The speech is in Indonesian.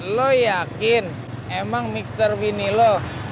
lu yakin emang mixer winnie lu